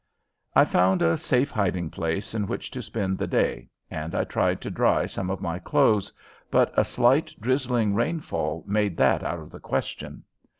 I found a safe hiding place in which to spend the day and I tried to dry some of my clothes, but a slight drizzling rainfall made that out of the question.